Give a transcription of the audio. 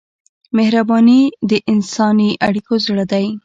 مهرباني د انساني اړیکو زړه دی.